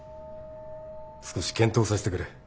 少し検討させてくれ。